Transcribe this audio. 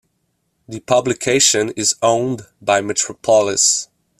The publication is owned by Metropolis.